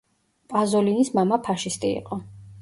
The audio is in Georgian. პაზოლინის მამა ფაშისტი იყო.